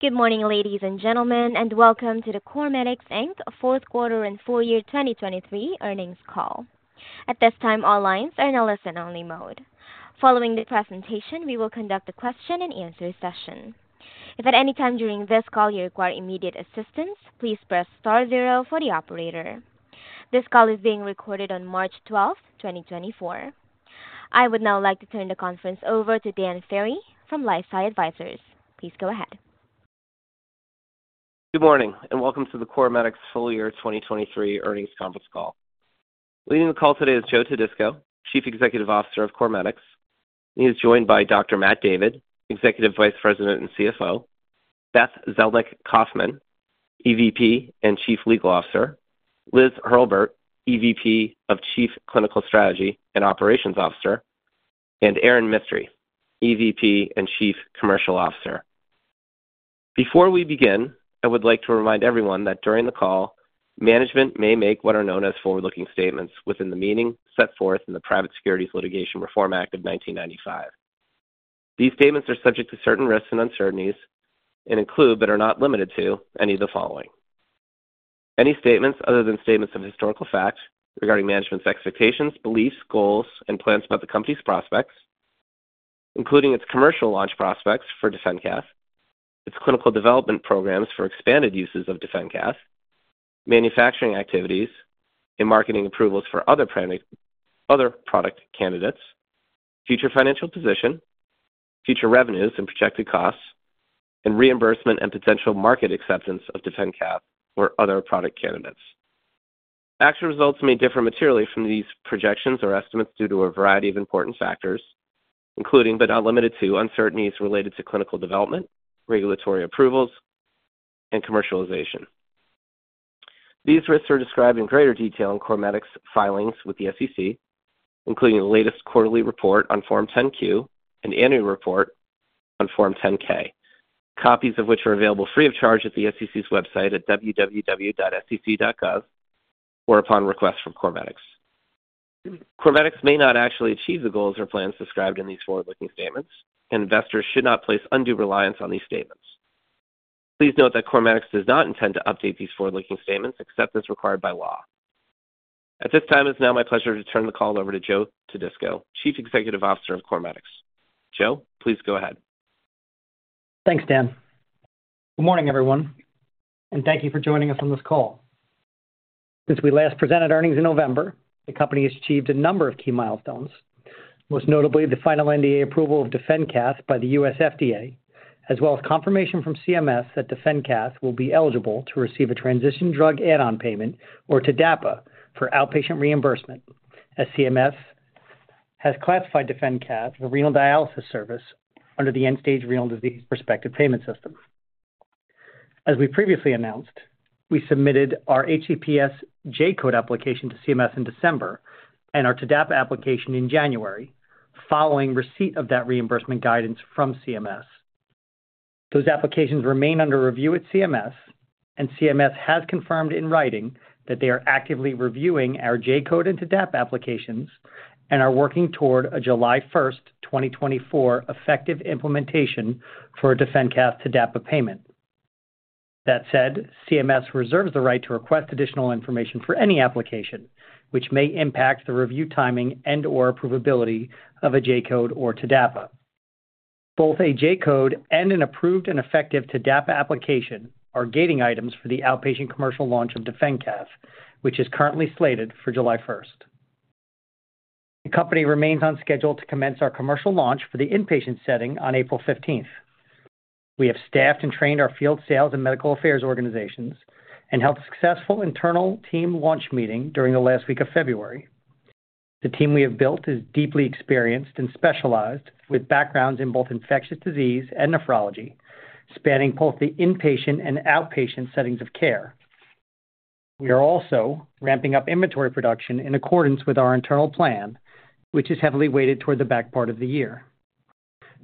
Good morning, ladies and gentlemen, and welcome to the CorMedix Inc. fourth quarter and full year 2023 earnings call. At this time, all lines are in a listen-only mode. Following the presentation, we will conduct a question-and-answer session. If at any time during this call you require immediate assistance, please press star zero for the operator. This call is being recorded on March 12th, 2024. I would now like to turn the conference over to Dan Ferry from LifeSci Advisors. Please go ahead. Good morning and welcome to the CorMedix full-year 2023 earnings conference call. Leading the call today is Joe Todisco, Chief Executive Officer of CorMedix. He is joined by Dr. Matt David, Executive Vice President and CFO, Beth Zelnick Kaufman, EVP and Chief Legal Officer, Liz Hurlburt, EVP of Chief Clinical Strategy and Operations Officer, and Erin Mistry, EVP and Chief Commercial Officer. Before we begin, I would like to remind everyone that during the call, management may make what are known as forward-looking statements within the meaning set forth in the Private Securities Litigation Reform Act of 1995. These statements are subject to certain risks and uncertainties and include but are not limited to any of the following: any statements other than statements of historical fact regarding management's expectations, beliefs, goals, and plans about the company's prospects, including its commercial launch prospects for DefenCath, its clinical development programs for expanded uses of DefenCath, manufacturing activities, and marketing approvals for other product candidates, future financial position, future revenues and projected costs, and reimbursement and potential market acceptance of DefenCath or other product candidates. Actual results may differ materially from these projections or estimates due to a variety of important factors, including but not limited to uncertainties related to clinical development, regulatory approvals, and commercialization. These risks are described in greater detail in CorMedix filings with the SEC, including the latest quarterly report on Form 10-Q and annual report on Form 10-K, copies of which are available free of charge at the SEC's website at www.sec.gov or upon request from CorMedix. CorMedix may not actually achieve the goals or plans described in these forward-looking statements, and investors should not place undue reliance on these statements. Please note that CorMedix does not intend to update these forward-looking statements except as required by law. At this time, it is now my pleasure to turn the call over to Joe Todisco, Chief Executive Officer of CorMedix. Joe, please go ahead. Thanks, Dan. Good morning, everyone, and thank you for joining us on this call. Since we last presented earnings in November, the company has achieved a number of key milestones, most notably the final NDA approval of DefenCath by the U.S. FDA, as well as confirmation from CMS that DefenCath will be eligible to receive a transitional drug add-on payment or TDAPA for outpatient reimbursement, as CMS has classified DefenCath as a renal dialysis service under the End-Stage Renal Disease Prospective Payment System. As we previously announced, we submitted our HCPCS J-Code application to CMS in December and our TDAPA application in January, following receipt of that reimbursement guidance from CMS. Those applications remain under review at CMS, and CMS has confirmed in writing that they are actively reviewing our J-Code and TDAPA applications and are working toward a July 1st, 2024, effective implementation for a DefenCath TDAPA payment. That said, CMS reserves the right to request additional information for any application, which may impact the review timing and/or approvability of a J-Code or TDAPA. Both a J-Code and an approved and effective TDAPA application are gating items for the outpatient commercial launch of DefenCath, which is currently slated for July 1st. The company remains on schedule to commence our commercial launch for the inpatient setting on April 15th. We have staffed and trained our field sales and medical affairs organizations and held a successful internal team launch meeting during the last week of February. The team we have built is deeply experienced and specialized, with backgrounds in both infectious disease and nephrology, spanning both the inpatient and outpatient settings of care. We are also ramping up inventory production in accordance with our internal plan, which is heavily weighted toward the back part of the year.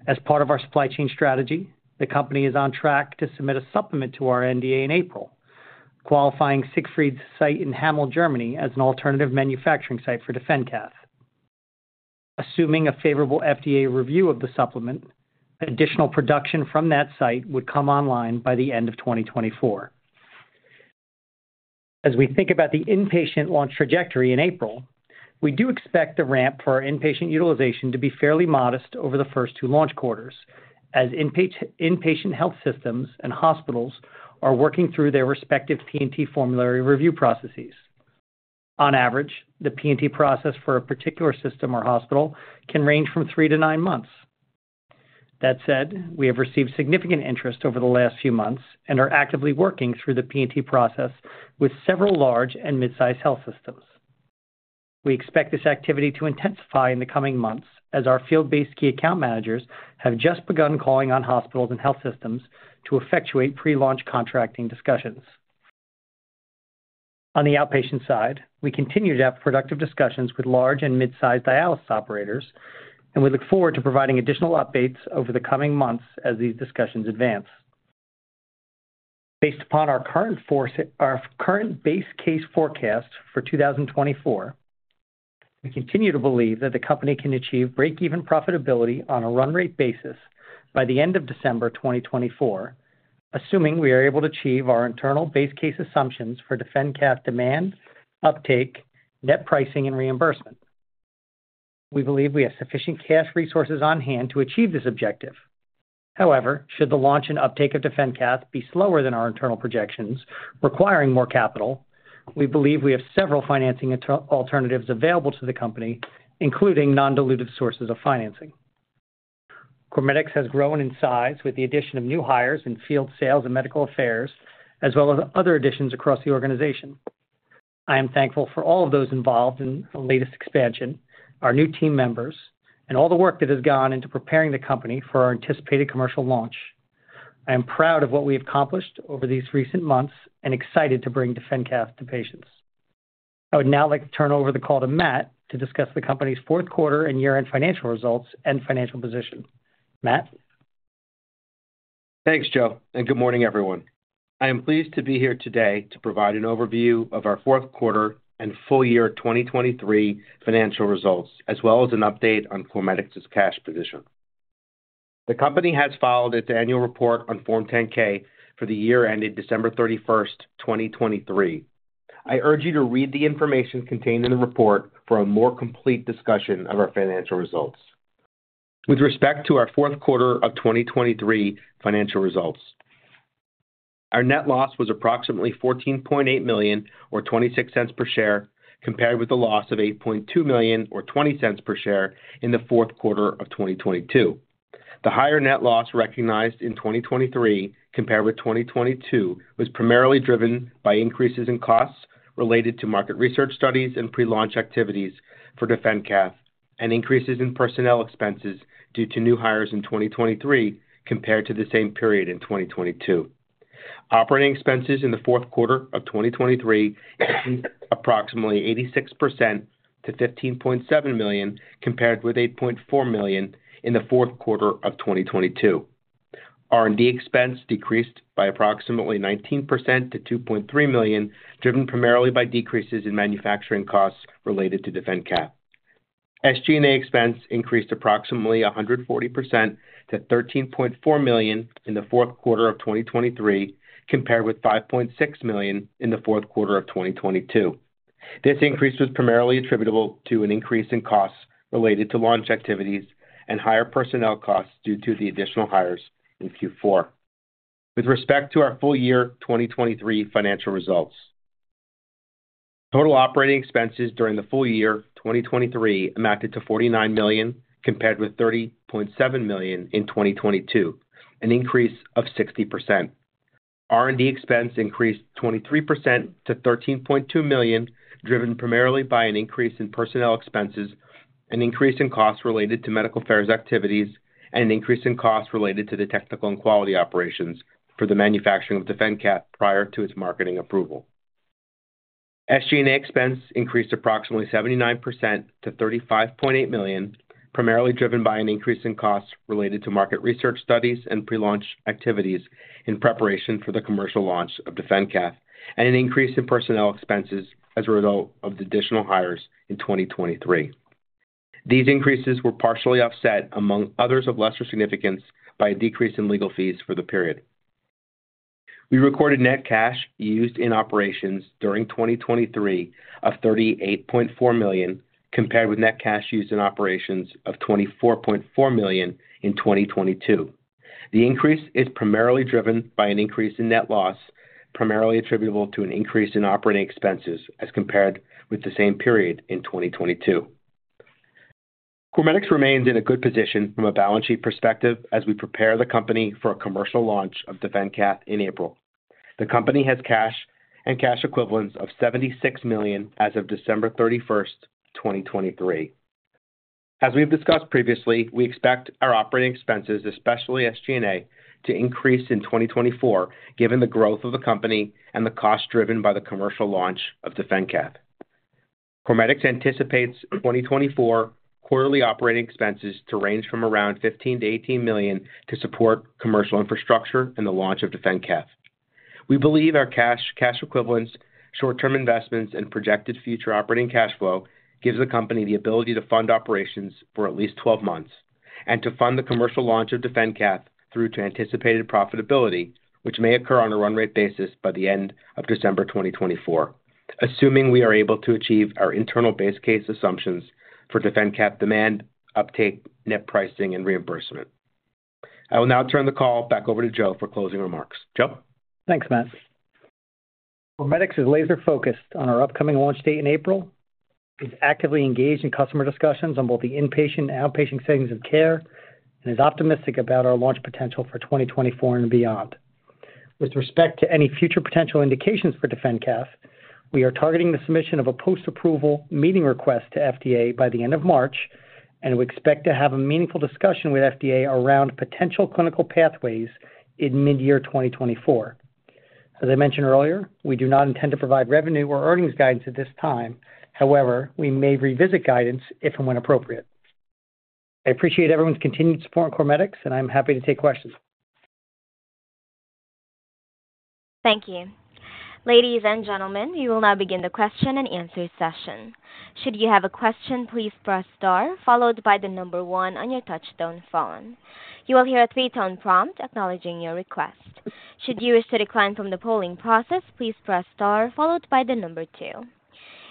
As part of our supply chain strategy, the company is on track to submit a supplement to our NDA in April, qualifying Siegfried's site in Hameln, Germany, as an alternative manufacturing site for DefenCath. Assuming a favorable FDA review of the supplement, additional production from that site would come online by the end of 2024. As we think about the inpatient launch trajectory in April, we do expect the ramp for our inpatient utilization to be fairly modest over the first two launch quarters, as inpatient health systems and hospitals are working through their respective P&T formulary review processes. On average, the P&T process for a particular system or hospital can range from three to nine months. That said, we have received significant interest over the last few months and are actively working through the P&T process with several large and midsize health systems. We expect this activity to intensify in the coming months as our field-based key account managers have just begun calling on hospitals and health systems to effectuate pre-launch contracting discussions. On the outpatient side, we continue to have productive discussions with large and midsize dialysis operators, and we look forward to providing additional updates over the coming months as these discussions advance. Based upon our current base case forecast for 2024, we continue to believe that the company can achieve break-even profitability on a run-rate basis by the end of December 2024, assuming we are able to achieve our internal base case assumptions for DefenCath demand, uptake, net pricing, and reimbursement. We believe we have sufficient cash resources on hand to achieve this objective. However, should the launch and uptake of DefenCath be slower than our internal projections, requiring more capital, we believe we have several financing alternatives available to the company, including non-dilutive sources of financing. CorMedix has grown in size with the addition of new hires in field sales and medical affairs, as well as other additions across the organization. I am thankful for all of those involved in the latest expansion, our new team members, and all the work that has gone into preparing the company for our anticipated commercial launch. I am proud of what we have accomplished over these recent months and excited to bring DefenCath to patients. I would now like to turn over the call to Matt to discuss the company's fourth quarter and year-end financial results and financial position. Matt. Thanks, Joe, and good morning, everyone. I am pleased to be here today to provide an overview of our fourth quarter and full-year 2023 financial results, as well as an update on CorMedix's cash position. The company has filed its annual report on Form 10-K for the year ended December 31st, 2023. I urge you to read the information contained in the report for a more complete discussion of our financial results. With respect to our fourth quarter of 2023 financial results, our net loss was approximately $14.8 million or $0.26 per share, compared with a loss of $8.2 million or $0.20 per share in the fourth quarter of 2022. The higher net loss recognized in 2023, compared with 2022, was primarily driven by increases in costs related to market research studies and pre-launch activities for DefenCath and increases in personnel expenses due to new hires in 2023, compared to the same period in 2022. Operating expenses in the fourth quarter of 2023 increased approximately 86% to $15.7 million, compared with $8.4 million in the fourth quarter of 2022. R&D expense decreased by approximately 19% to $2.3 million, driven primarily by decreases in manufacturing costs related to DefenCath. SG&A expense increased approximately 140% to $13.4 million in the fourth quarter of 2023, compared with $5.6 million in the fourth quarter of 2022. This increase was primarily attributable to an increase in costs related to launch activities and higher personnel costs due to the additional hires in Q4. With respect to our full-year 2023 financial results, total operating expenses during the full year 2023 amounted to $49 million, compared with $30.7 million in 2022, an increase of 60%. R&D expense increased 23% to $13.2 million, driven primarily by an increase in personnel expenses, an increase in costs related to medical affairs activities, and an increase in costs related to the technical and quality operations for the manufacturing of DefenCath prior to its marketing approval. SG&A expense increased approximately 79% to $35.8 million, primarily driven by an increase in costs related to market research studies and pre-launch activities in preparation for the commercial launch of DefenCath and an increase in personnel expenses as a result of the additional hires in 2023. These increases were partially offset, among others of lesser significance, by a decrease in legal fees for the period. We recorded net cash used in operations during 2023 of $38.4 million, compared with net cash used in operations of $24.4 million in 2022. The increase is primarily driven by an increase in net loss, primarily attributable to an increase in operating expenses as compared with the same period in 2022. CorMedix remains in a good position from a balance sheet perspective as we prepare the company for a commercial launch of DefenCath in April. The company has cash and cash equivalents of $76 million as of December 31st, 2023. As we have discussed previously, we expect our operating expenses, especially SG&A, to increase in 2024 given the growth of the company and the costs driven by the commercial launch of DefenCath. CorMedix anticipates 2024 quarterly operating expenses to range from around $15 million-$18 million to support commercial infrastructure and the launch of DefenCath. We believe our cash, cash equivalents, short-term investments, and projected future operating cash flow give the company the ability to fund operations for at least 12 months and to fund the commercial launch of DefenCath through to anticipated profitability, which may occur on a run-rate basis by the end of December 2024, assuming we are able to achieve our internal base case assumptions for DefenCath demand, uptake, net pricing, and reimbursement. I will now turn the call back over to Joe for closing remarks. Joe? Thanks, Matt. CorMedix is laser-focused on our upcoming launch date in April, is actively engaged in customer discussions on both the inpatient and outpatient settings of care, and is optimistic about our launch potential for 2024 and beyond. With respect to any future potential indications for DefenCath, we are targeting the submission of a post-approval meeting request to FDA by the end of March, and we expect to have a meaningful discussion with FDA around potential clinical pathways in mid-year 2024. As I mentioned earlier, we do not intend to provide revenue or earnings guidance at this time. However, we may revisit guidance if and when appropriate. I appreciate everyone's continued support in CorMedix, and I am happy to take questions. Thank you. Ladies and gentlemen, we will now begin the question and answer session. Should you have a question, pleonese press star followed by the number 1 on your touch-tone phone. You will hear a three-tone prompt acknowledging your request. Should you wish to decline from the polling process, please press star followed by the number two.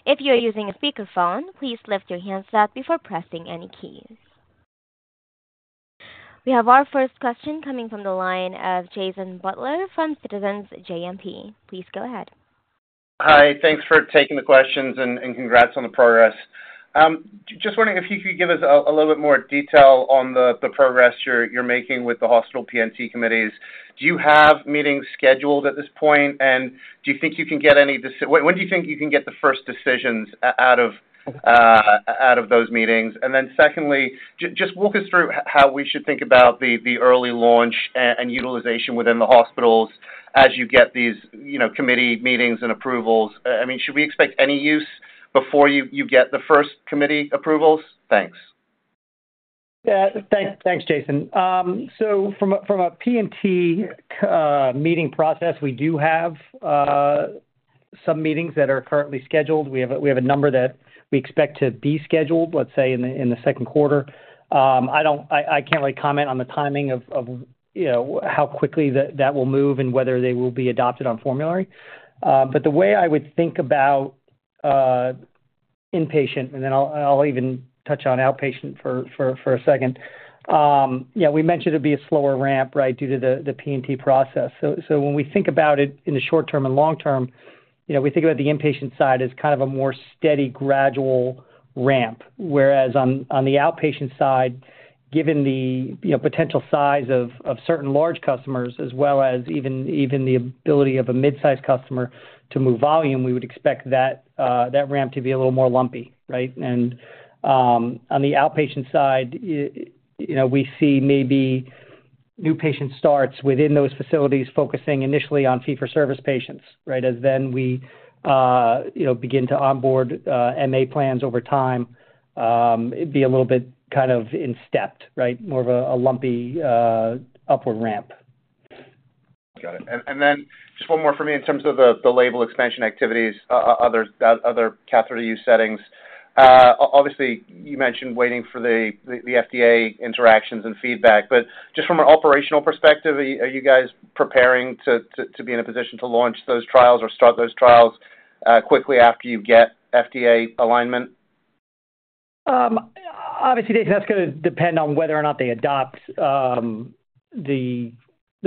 If you are using a speakerphone, please lift the handset up before pressing any keys. We have our first question coming from the line of Jason Butler from Citizens JMP. Please go ahead. Hi. Thanks for taking the questions and congrats on the progress. Just wondering if you could give us a little bit more detail on the progress you're making with the hospital P&T committees. Do you have meetings scheduled at this point, and do you think you can get any? When do you think you can get the first decisions out of those meetings? And then secondly, just walk us through how we should think about the early launch and utilization within the hospitals as you get these committee meetings and approvals. I mean, should we expect any use before you get the first committee approvals? Thanks. Yeah. Thanks, Jason. So from a P&T meeting process, we do have some meetings that are currently scheduled. We have a number that we expect to be scheduled, let's say, in the second quarter. I can't really comment on the timing of how quickly that will move and whether they will be adopted on formulary. But the way I would think about inpatient and then I'll even touch on outpatient for a second. Yeah, we mentioned it would be a slower ramp, right, due to the P&T process. So when we think about it in the short term and long term, we think about the inpatient side as kind of a more steady, gradual ramp. Whereas on the outpatient side, given the potential size of certain large customers, as well as even the ability of a midsize customer to move volume, we would expect that ramp to be a little more lumpy, right? And on the outpatient side, we see maybe new patient starts within those facilities focusing initially on fee-for-service patients, right, as then we begin to onboard MA plans over time. It'd be a little bit kind of in step, right, more of a lumpy upward ramp. Got it. And then just one more for me in terms of the label expansion activities, other catheter-use settings. Obviously, you mentioned waiting for the FDA interactions and feedback. But just from an operational perspective, are you guys preparing to be in a position to launch those trials or start those trials quickly after you get FDA alignment? Obviously, Jason, that's going to depend on whether or not they adopt the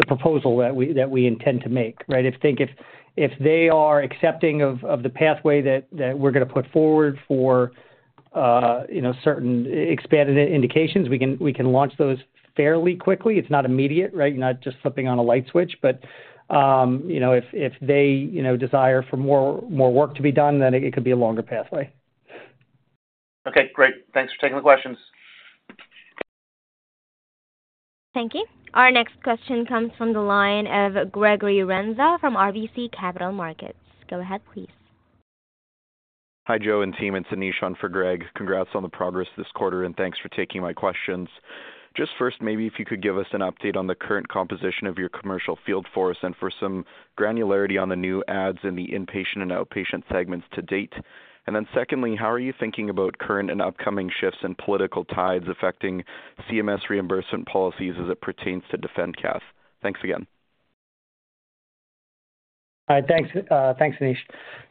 proposal that we intend to make, right? If they are accepting of the pathway that we're going to put forward for certain expanded indications, we can launch those fairly quickly. It's not immediate, right? You're not just flipping on a light switch. But if they desire for more work to be done, then it could be a longer pathway. Okay. Great. Thanks for taking the questions. Thank you. Our next question comes from the line of Gregory Renza from RBC Capital Markets. Go ahead, please. Hi, Joe and team. It's Anish on for Greg. Congrats on the progress this quarter, and thanks for taking my questions. Just first, maybe if you could give us an update on the current composition of your commercial field force and for some granularity on the new ads in the inpatient and outpatient segments to date. And then secondly, how are you thinking about current and upcoming shifts and political tides affecting CMS reimbursement policies as it pertains to DefenCath? Thanks again. Hi. Thanks, Anish.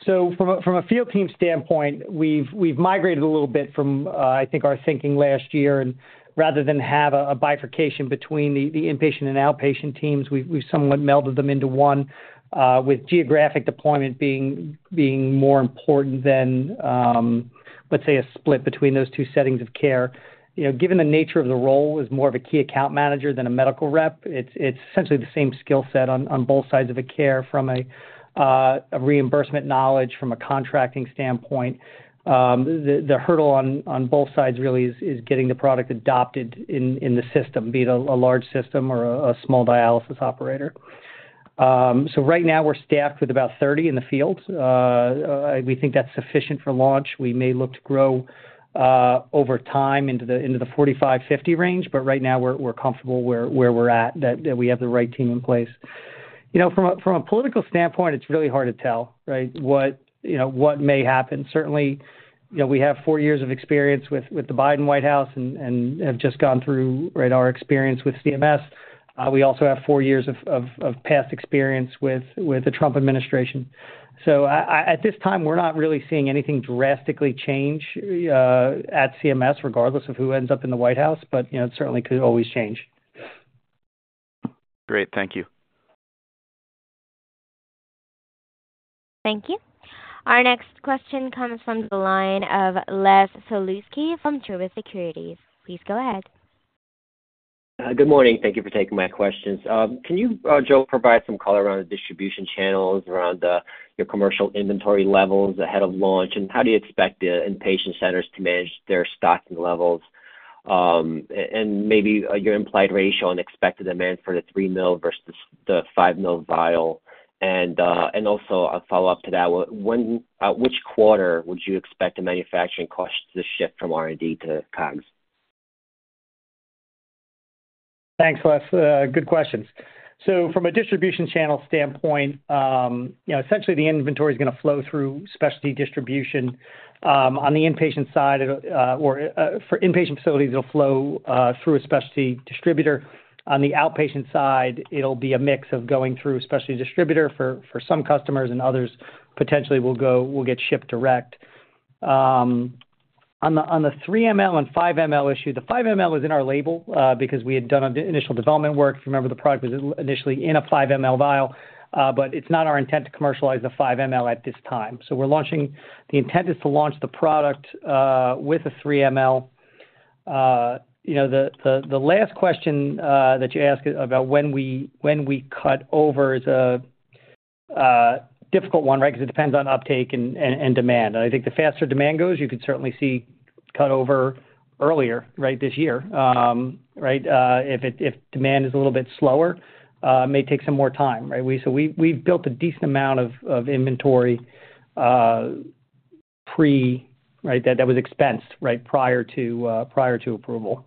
So from a field team standpoint, we've migrated a little bit from, I think, our thinking last year. And rather than have a bifurcation between the inpatient and outpatient teams, we've somewhat melded them into one, with geographic deployment being more important than, let's say, a split between those two settings of care. Given the nature of the role as more of a key account manager than a medical rep, it's essentially the same skill set on both sides of a care, from a reimbursement knowledge, from a contracting standpoint. The hurdle on both sides really is getting the product adopted in the system, be it a large system or a small dialysis operator. So right now, we're staffed with about 30 in the field. We think that's sufficient for launch. We may look to grow over time into the 45-50 range. But right now, we're comfortable where we're at, that we have the right team in place. From a political standpoint, it's really hard to tell, right, what may happen. Certainly, we have four years of experience with the Biden White House and have just gone through our experience with CMS. We also have four years of past experience with the Trump administration. So at this time, we're not really seeing anything drastically change at CMS, regardless of who ends up in the White House. But it certainly could always change. Great. Thank you. Thank you. Our next question comes from the line of Les Sulewski from Truist Securities. Please go ahead. Good morning. Thank you for taking my questions. Can you, Joe, provide some color around the distribution channels, around your commercial inventory levels ahead of launch? And how do you expect inpatient centers to manage their stocking levels? And maybe your implied ratio on expected demand for the 3 ml versus the 5 ml vial? And also a follow-up to that, which quarter would you expect the manufacturing costs to shift from R&D to COGS? Thanks, Les. Good questions. So from a distribution channel standpoint, essentially, the inventory is going to flow through specialty distribution. On the inpatient side or for inpatient facilities, it'll flow through a specialty distributor. On the outpatient side, it'll be a mix of going through a specialty distributor for some customers, and others potentially will get shipped direct. On the 3 ml and 5 ml issue, the 5 ml was in our label because we had done initial development work. If you remember, the product was initially in a 5 ml vial. But it's not our intent to commercialize the 5 ml at this time. So the intent is to launch the product with a 3 ml. The last question that you asked about when we cut over is a difficult one, right, because it depends on uptake and demand. I think the faster demand goes, you could certainly see cutover earlier, right, this year, right? If demand is a little bit slower, it may take some more time, right? We've built a decent amount of inventory pre that was expensed, right, prior to approval.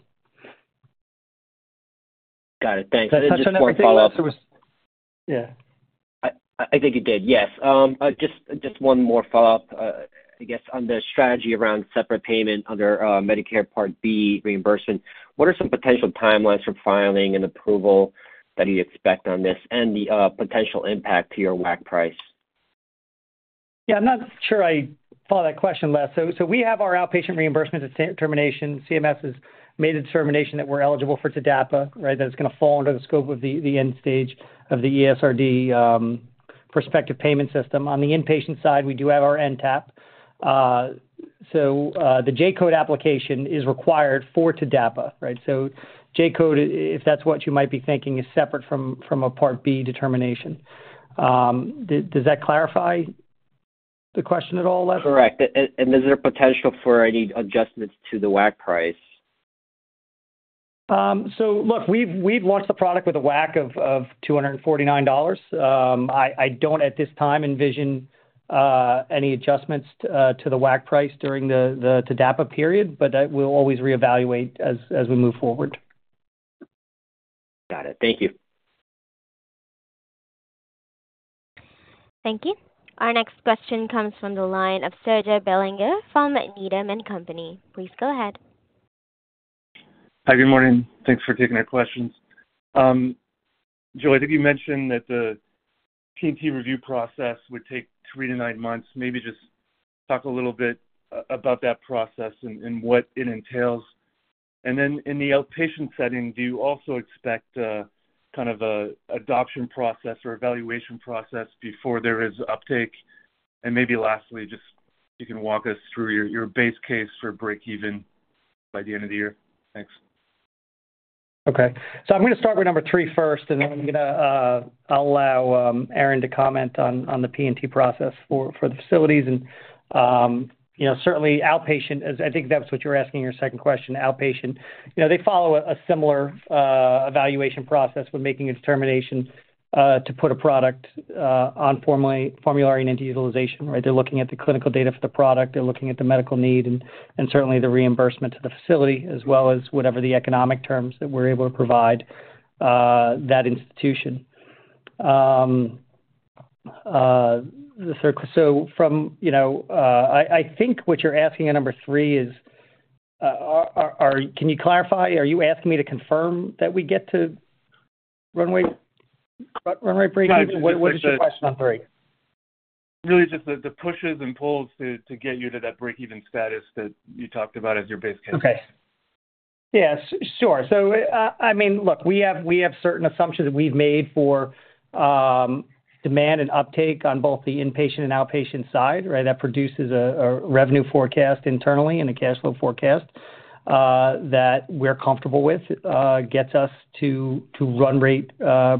Got it. Thanks. This is one follow-up. Is that such an efficient answer? Was yeah. I think it did. Yes. Just one more follow-up, I guess, on the strategy around separate payment under Medicare Part B reimbursement. What are some potential timelines for filing and approval that you expect on this and the potential impact to your WAC price? Yeah. I'm not sure I followed that question, Les. So we have our outpatient reimbursement determination. CMS has made a determination that we're eligible for TDAPA, right, that it's going to fall under the scope of the end stage of the ESRD prospective payment system. On the inpatient side, we do have our NTAP. So the J-code application is required for TDAPA, right? So J-code, if that's what you might be thinking, is separate from a Part B determination. Does that clarify the question at all, Les? Correct. Is there potential for any adjustments to the WAC price? Look, we've launched the product with a WAC of $249. I don't, at this time, envision any adjustments to the WAC price during the TDAPA period. But we'll always reevaluate as we move forward. Got it. Thank you. Thank you. Our next question comes from the line of Sergey Belanger from Needham & Company. Please go ahead. Hi. Good morning. Thanks for taking our questions. Joe, I think you mentioned that the P&T review process would take three to 9 months. Maybe just talk a little bit about that process and what it entails. And then in the outpatient setting, do you also expect kind of an adoption process or evaluation process before there is uptake? And maybe lastly, just if you can walk us through your base case for break-even by the end of the year? Thanks. Okay. So I'm going to start with number three first, and then I'm going to allow Erin to comment on the P&T process for the facilities. And certainly, outpatient I think that's what you're asking in your second question, outpatient. They follow a similar evaluation process when making a determination to put a product on formulary and into utilization, right? They're looking at the clinical data for the product. They're looking at the medical need and certainly the reimbursement to the facility, as well as whatever the economic terms that we're able to provide that institution. So from I think what you're asking at number three is can you clarify? Are you asking me to confirm that we get to runway break-even? What is your question on three? Really, just the pushes and pulls to get you to that break-even status that you talked about as your base case. Okay. Yeah. Sure. So I mean, look, we have certain assumptions that we've made for demand and uptake on both the inpatient and outpatient side, right? That produces a revenue forecast internally and a cash flow forecast that we're comfortable with, gets us to run rate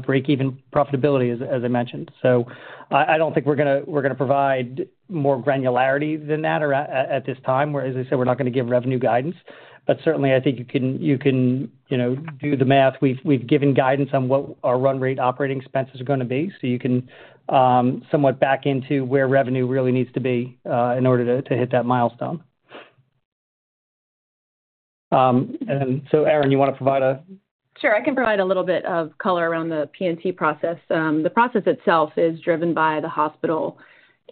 break-even profitability, as I mentioned. So I don't think we're going to provide more granularity than that at this time. As I said, we're not going to give revenue guidance. But certainly, I think you can do the math. We've given guidance on what our run rate operating expenses are going to be. So you can somewhat back into where revenue really needs to be in order to hit that milestone. And then so Erin, you want to provide a? Sure. I can provide a little bit of color around the P&T process. The process itself is driven by the hospital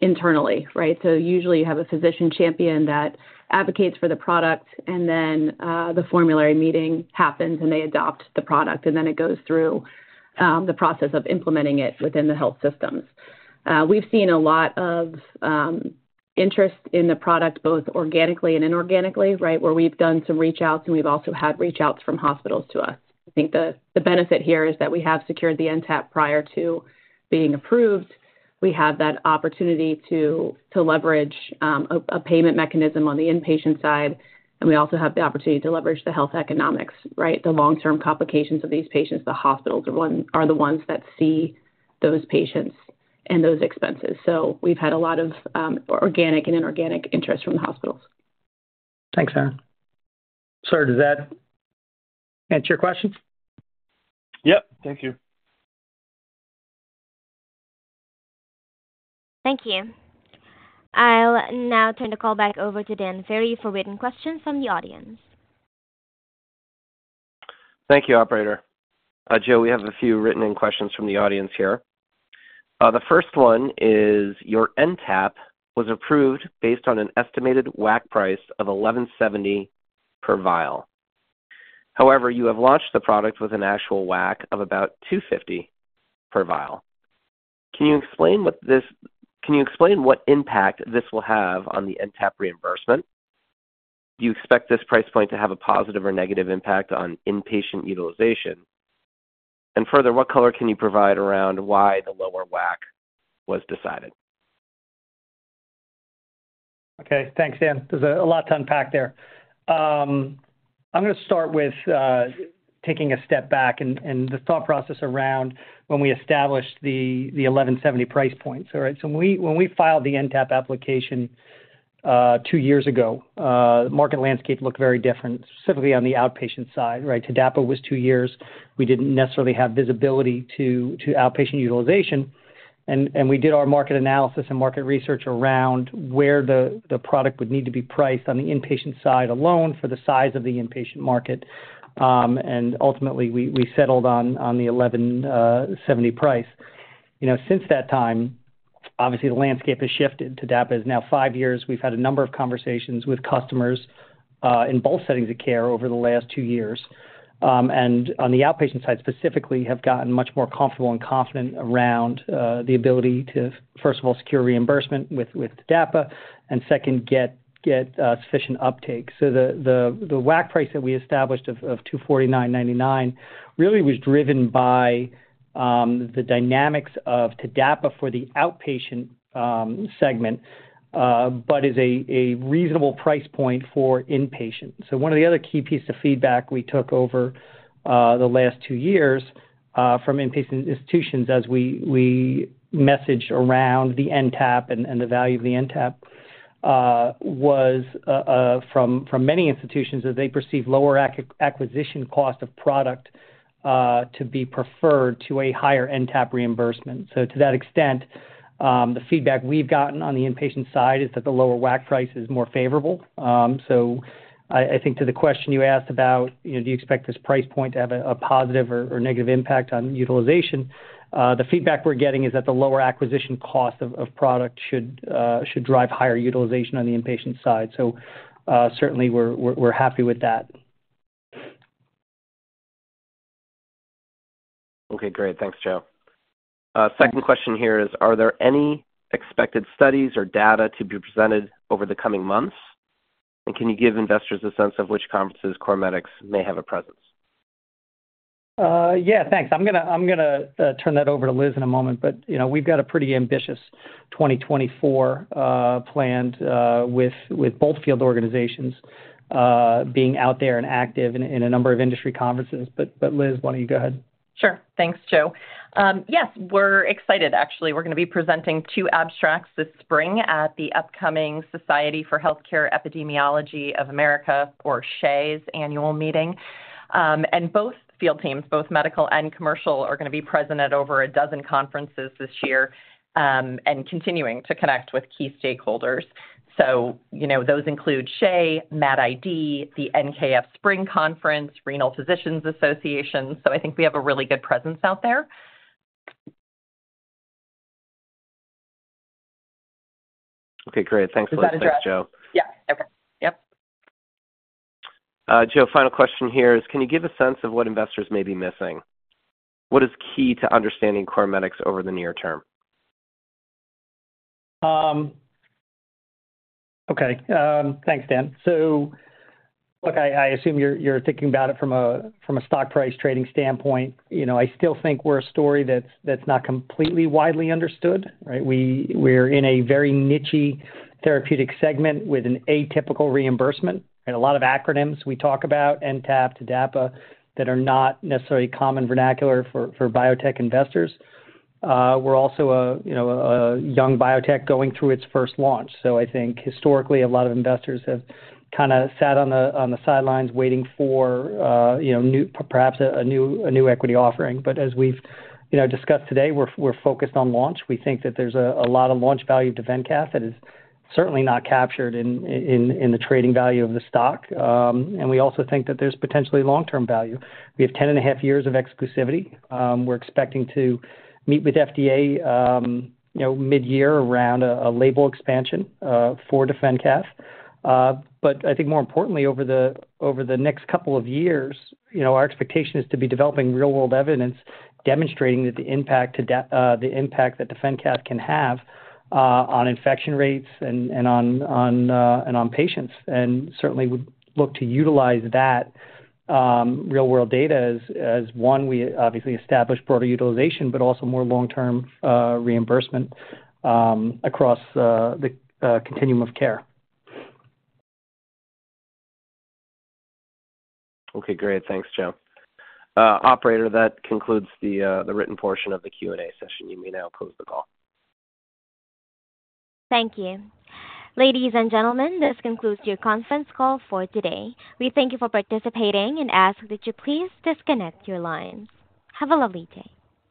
internally, right? So usually, you have a physician champion that advocates for the product, and then the formulary meeting happens, and they adopt the product. And then it goes through the process of implementing it within the health systems. We've seen a lot of interest in the product, both organically and inorganically, right, where we've done some reachouts, and we've also had reachouts from hospitals to us. I think the benefit here is that we have secured the NTAP prior to being approved. We have that opportunity to leverage a payment mechanism on the inpatient side. And we also have the opportunity to leverage the health economics, right, the long-term complications of these patients. The hospitals are the ones that see those patients and those expenses. We've had a lot of organic and inorganic interest from the hospitals. Thanks, Erin. Sir, does that answer your question? Yep. Thank you. Thank you. I'll now turn the call back over to Dan Ferry for written questions from the audience. Thank you, operator. Joe, we have a few written-in questions from the audience here. The first one is, "Your NTAP was approved based on an estimated WAC price of $1,170 per vial. However, you have launched the product with an actual WAC of about $250 per vial. Can you explain what impact this will have on the NTAP reimbursement? Do you expect this price point to have a positive or negative impact on inpatient utilization? And further, what color can you provide around why the lower WAC was decided? Okay. Thanks, Dan. There's a lot to unpack there. I'm going to start with taking a step back and the thought process around when we established the $1,170 price points, all right? So when we filed the NTAP application two years ago, the market landscape looked very different, specifically on the outpatient side, right? TDAPA was two years. We didn't necessarily have visibility to outpatient utilization. And we did our market analysis and market research around where the product would need to be priced on the inpatient side alone for the size of the inpatient market. And ultimately, we settled on the $1,170 price. Since that time, obviously, the landscape has shifted. TDAPA is now 5 years. We've had a number of conversations with customers in both settings of care over the last two years. And on the outpatient side specifically, have gotten much more comfortable and confident around the ability to, first of all, secure reimbursement with TDAPA and, second, get sufficient uptake. So the WAC price that we established of $249.99 really was driven by the dynamics of TDAPA for the outpatient segment but is a reasonable price point for inpatient. So one of the other key pieces of feedback we took over the last two years from inpatient institutions as we messaged around the NTAP and the value of the NTAP was from many institutions that they perceive lower acquisition cost of product to be preferred to a higher NTAP reimbursement. So to that extent, the feedback we've gotten on the inpatient side is that the lower WAC price is more favorable. So I think to the question you asked about, "Do you expect this price point to have a positive or negative impact on utilization?" the feedback we're getting is that the lower acquisition cost of product should drive higher utilization on the inpatient side. So certainly, we're happy with that. Okay. Great. Thanks, Joe. Second question here is, "Are there any expected studies or data to be presented over the coming months? And can you give investors a sense of which conferences CorMedix may have a presence? Yeah. Thanks. I'm going to turn that over to Liz in a moment. But we've got a pretty ambitious 2024 planned with both field organizations being out there and active in a number of industry conferences. But Liz, why don't you go ahead? Sure. Thanks, Joe. Yes. We're excited, actually. We're going to be presenting two abstracts this spring at the upcoming Society for Healthcare Epidemiology of America, or SHEA's, annual meeting. And both field teams, both medical and commercial, are going to be present at over a dozen conferences this year and continuing to connect with key stakeholders. So those include SHEA, MAD-ID, the NKF Spring Conference, Renal Physicians Association. So I think we have a really good presence out there. Okay. Great. Thanks for that, Joe. We've got addressed. Yeah. Okay. Yep. Joe, final question here is, "Can you give a sense of what investors may be missing? What is key to understanding CorMedix over the near term? Okay. Thanks, Dan. So look, I assume you're thinking about it from a stock price trading standpoint. I still think we're a story that's not completely widely understood, right? We're in a very niche therapeutic segment with an atypical reimbursement, right? A lot of acronyms we talk about, NTAP, TDAPA, that are not necessarily common vernacular for biotech investors. We're also a young biotech going through its first launch. So I think historically, a lot of investors have kind of sat on the sidelines waiting for perhaps a new equity offering. But as we've discussed today, we're focused on launch. We think that there's a lot of launch value to DefenCath that is certainly not captured in the trading value of the stock. And we also think that there's potentially long-term value. We have ten and a-half years of exclusivity. We're expecting to meet with FDA mid-year around a label expansion for DefenCath. But I think more importantly, over the next couple of years, our expectation is to be developing real-world evidence demonstrating the impact that DefenCath can have on infection rates and on patients and certainly would look to utilize that real-world data as one, we obviously establish broader utilization but also more long-term reimbursement across the continuum of care. Okay. Great. Thanks, Joe. Operator, that concludes the written portion of the Q&A session. You may now close the call. Thank you. Ladies and gentlemen, this concludes your conference call for today. We thank you for participating and ask that you please disconnect your lines. Have a lovely day.